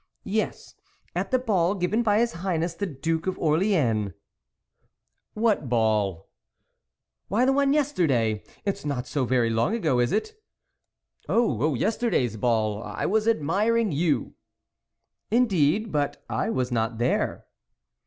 " Yes, at the ball given by his Highness the Duke of Orleans." " What ball ?" "Why, the one yesterday! it's not so very along ago, is it ?"" Oh, yesterday's ball ? I was admiring you." " Indeed ; but I was not there."